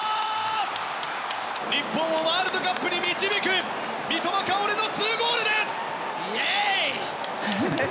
日本をワールドカップに導く三笘薫の２ゴールです！